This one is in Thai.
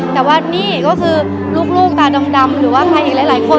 แต่ว่านี่ก็คือลูกตาดำหรือว่าใครอีกหลายคน